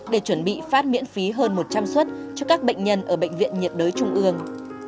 để chuẩn bị phát miễn phí hơn một trăm linh suất cho các bệnh nhân ở bệnh viện nhiệt đới trung ương